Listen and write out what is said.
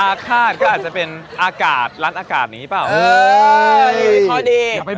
อาฆาตก็อาจจะเป็นอากาศร้านอากาศนี้ใช่ป่าว